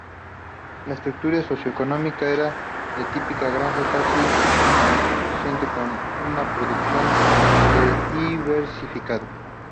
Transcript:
La estructura socio-económica era de típica granja casi autosuficiente con una producción diversificada.